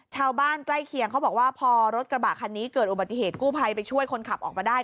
ชาวบ้านใกล้เคียงเขาบอกว่าพอรถกระบะคันนี้เกิดอุบัติเหตุกู้ภัยไปช่วยคนขับออกมาได้